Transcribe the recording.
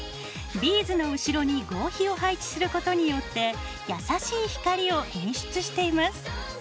ビーズの後ろに合皮を配置することによって優しい光を演出しています。